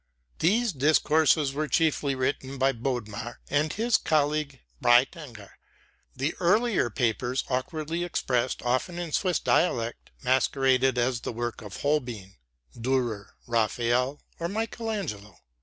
These discourses were chiefly written by Bodmer and his colleague Breitinger. The earlier papers, awkwardly expressed, often in Swiss dialect, masqueraded as the work of Holbein, Dürer, Raphael, or Michael Angelo.